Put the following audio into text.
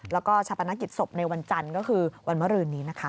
แล้วก็ชัพนกิจศพในวันจันทร์ก็คือวันเมื่อรื่นนี้